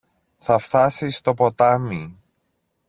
Θα φθάσει στο ποτάμι.